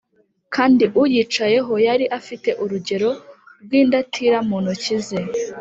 kandi uyicayeho yari afite urugero rw’indatira mu intoki ze.